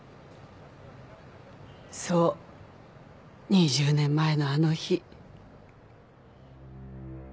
２０年前のあの日。